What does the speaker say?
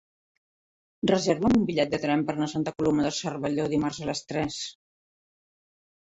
Reserva'm un bitllet de tren per anar a Santa Coloma de Cervelló dimarts a les tres.